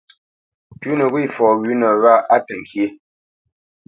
Pʉ̌nə wê fɔ wʉ̌nə wâ á təŋkyé.